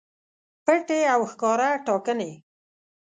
پټې او ښکاره ټاکنې